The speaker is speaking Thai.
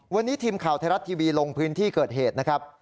วันนี้ทีมข่าวไทยรัฐทีวีลงพื้นที่เกิดเหตุนะครับ